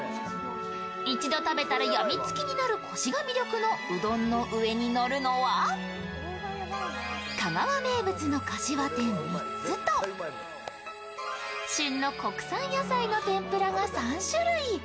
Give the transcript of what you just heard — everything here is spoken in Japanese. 一度食べたら病みつきになるコシが魅力のうどんの上にのるのは香川名物のかしわ天３つと旬の国産野菜の天ぷらが３種類。